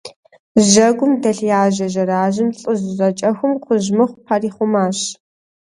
Жьэгум дэлъ яжьэ жьэражьэм лӏыжь жьакӏэхум кхъужь мыхъу пэрихъумащ.